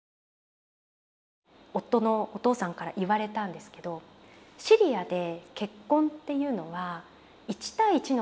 夫のお父さんから言われたんですけどシリアで結婚っていうのは１対１の関係性じゃないんだと。